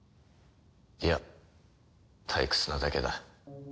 いや退屈なだけだ。